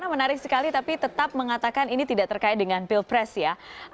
menarik sekali tapi tetap mengatakan ini tidak terkait dengan pilpres ya